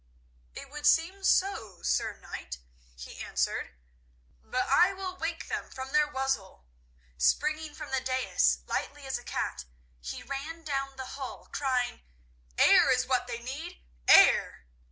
"It would seem so, Sir Knight," he answered; "but I will wake them from their wassail." Springing from the dais lightly as a cat, he ran down the hall crying, "Air is what they need. Air!"